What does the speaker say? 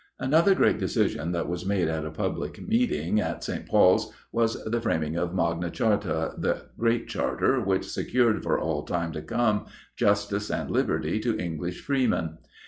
Another great decision that was made at a public meeting at St. Paul's was the framing of Magna Charta that great Charter which secured, for all time to come, justice and liberty to English freemen.